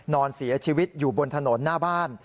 นอนเสียชีวิตอยู่บนถนนหน้าบ้าน